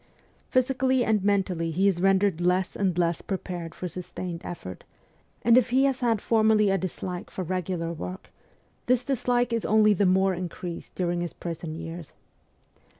Physically and mentally he is rendered less and less prepared for sustained effort ; and if he has had formerly a dislike for regular work, this dislike is only the more increased during his prison years.